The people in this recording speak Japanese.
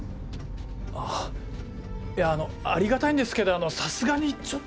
あっいやありがたいんですけどさすがにちょっと。